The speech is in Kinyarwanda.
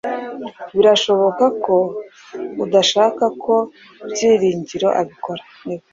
Birashoboka ko udashaka ko Byiringiro abikora.